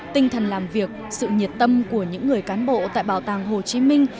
tinh thần làm việc sự nhiệt tâm của những người cán bộ tại bảo tàng hồ chí minh